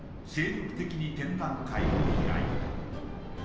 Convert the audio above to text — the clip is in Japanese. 精力的に展覧会を開いた。